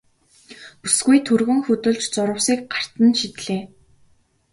Бүсгүй түргэн хөдөлж зурвасыг гарт нь шидлээ.